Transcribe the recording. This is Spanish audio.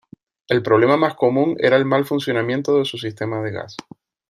El problema más común era el mal funcionamiento de su sistema de gas.